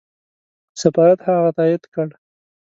سفارت هغه تایید کړ.